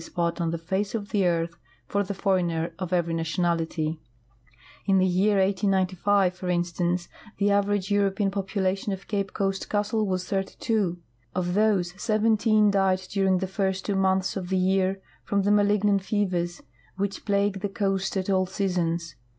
spot on the face of the earth for the foreigner of every nation ality. In the year 1895, for instance, the average European poi)ulation of Cape Coast Castle was thirty two. Of these, sev enteen died during the first two months of the year from the malignant fevers which plague the coast at all seasons.